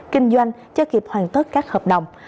kinh doanh cho kịp hoàn tất các hợp đồng